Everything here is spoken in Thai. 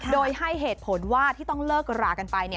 โดยให้เหตุผลว่าที่ต้องเลิกกระหลากันไปเนี่ย